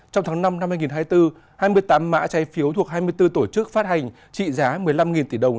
trong tháng năm năm hai nghìn hai mươi bốn hai mươi tám mã trái phiếu thuộc hai mươi bốn tổ chức phát hành trị giá một mươi năm tỷ đồng